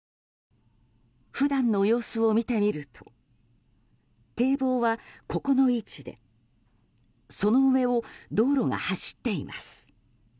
普段の様子を見てみると堤防は、ここの位置でその上を道路が走っています。